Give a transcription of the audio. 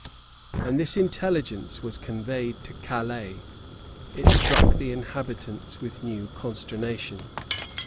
When this intelligence was conveyed to Calais, it struck the inhabitants with new consternation.